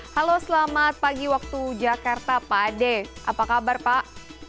halo selamat pagi waktu jakarta pak ade apa kabar pak